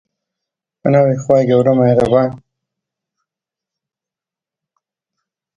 زۆر ترسام، هەڵمکوتا غار و سەربەرەژێر هەڵاتم